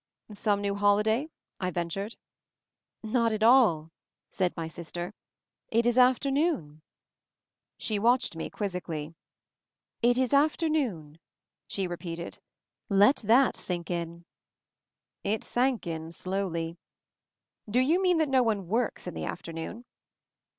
"Some new holiday?" I ventured. "Not at all," said my sister. "It is after noon." She watched me, quizzically. "It is afternoon," she repeated. "Let that sink in!" It sank in, slowly. "Do you mean that no one works in the afternoon?"